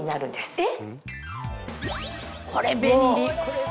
えっ！